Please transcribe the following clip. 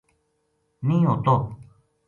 نیہہ ہوتو